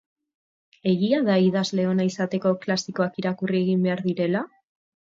Egia da idazle ona izateko klasikoak irakurri egin behar direla?